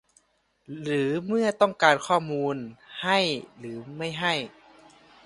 หรือ เมื่อต้องการข้อมูล ให้หรือไม่ให้